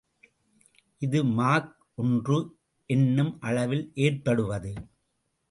இது மாக் ஒன்று என்னும் அளவில் ஏற்படுவது.